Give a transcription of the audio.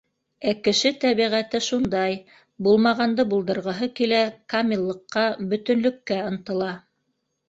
Ә кеше тәбиғәте шундай: булмағанды булдырғыһы килә, камиллыҡҡа, бөтөнлөккә ынтыла.